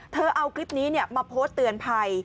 เอาคลิปนี้มาโพสต์เตือนภัย